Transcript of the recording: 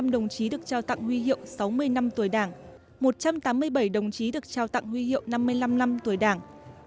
một mươi đồng chí được trao tặng huy hiệu sáu mươi năm tuổi đảng một trăm tám mươi bảy đồng chí được trao tặng huy hiệu năm mươi năm năm tuổi đảng